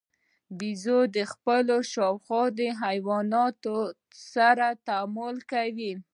بیزو د خپلو شاوخوا حیواناتو سره تعامل کوي.